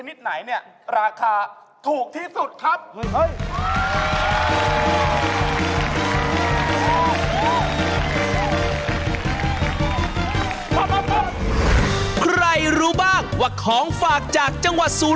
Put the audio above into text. มนต์เมืองสุรินทร์